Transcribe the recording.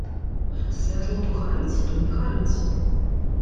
Святло то гарыць, то не гарыць.